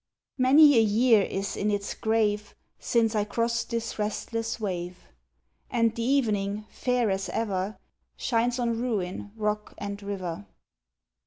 Many a year is in its grave Since I crossed this restless wave: And the evening, fair as ever. Shines on ruin, rock, and river.